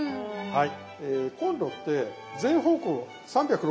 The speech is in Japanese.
はい。